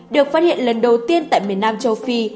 được phát hiện lần đầu tiên tại miền nam châu phi